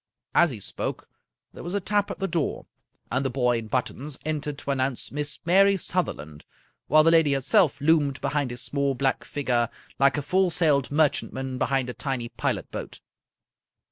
As he spoke, there was a tap at the door, and the boy in buttons entered to announce Miss Mary Sutherland, while 44 A. Conan Doyle the lady herself loomed behind his small black figure like a full sailed merchantman behind a tiny pilot boat.